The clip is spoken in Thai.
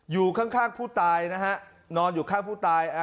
อยู่ข้างผู้ตายนะฮะนอนอยู่ข้างผู้ตาย